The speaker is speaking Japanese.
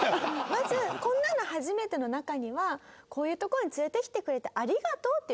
まず「こんなの初めて！」の中にはこういうとこに連れてきてくれて。